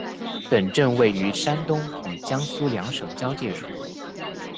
本镇位于山东与江苏两省交界处。